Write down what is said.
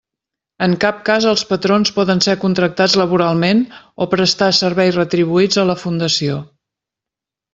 En cap cas els patrons poden ser contractats laboralment o prestar serveis retribuïts a la Fundació.